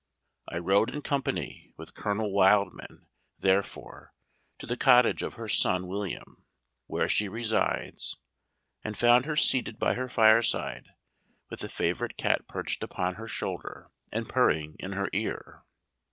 I rode in company with Colonel Wildman, therefore, to the cottage of her son William, where she resides, and found her seated by her fireside, with a favorite cat perched upon her shoulder and purring in her ear.